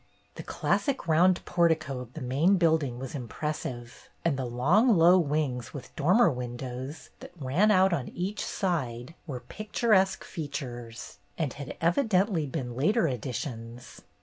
The classic round portico of the main building was impressive, and the long low wings with dormer windows, that ran out on each side, were picturesque features, and had evidently been later additions.